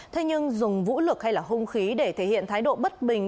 thế nhưng dùng vũ lực hay là hung khí để thể hiện thái độ bất bình